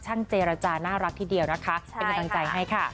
เจรจาน่ารักทีเดียวนะคะเป็นกำลังใจให้ค่ะ